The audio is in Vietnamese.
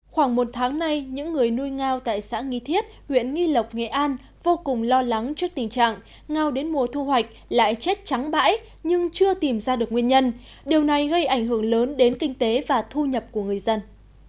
khoảng một tháng nay những người nuôi ngao tại xã nghi thiết huyện nghi lộc nghệ an vô cùng lo lắng trước tình trạng ngao đến mùa thu hoạch lại chết trắng bãi nhưng chưa tìm ra được nguyên nhân điều này gây ảnh hưởng lớn đến kinh tế và thu nhập của người dân